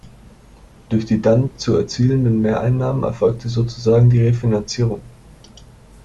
Durch die dann zu erzielenden Mehreinnahmen erfolgte sozusagen die Refinanzierung.